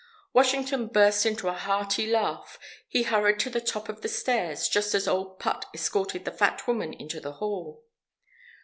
Washington burst into a hearty laugh. He hurried to the top of the stairs, just as "Old Put" escorted the fat woman into the hall.